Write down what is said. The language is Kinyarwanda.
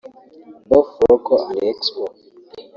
both local and export